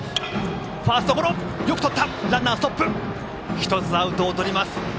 １つアウトをとります。